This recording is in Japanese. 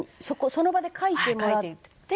その場で書いてもらって。